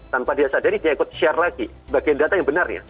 tanpa di share lagi bagian data yang benar ya